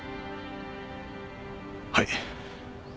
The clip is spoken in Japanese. はい。